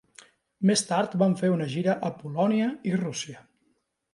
Més tard van fer una gira a Polònia i Rússia.